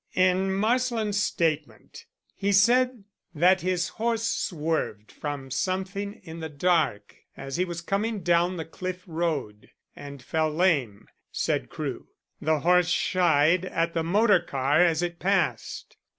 "In Marsland's statement he said that his horse swerved from something in the dark as he was coming down the Cliff road, and fell lame," said Crewe. "The horse shied at the motor car as it passed.